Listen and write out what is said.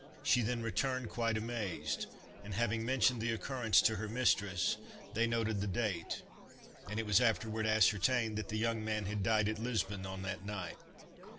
She then returned, quite amazed, and having mentioned the occurrence to her mistress, they noted the date; and it was afterward ascertained that the young man had died at Lisbon on that night.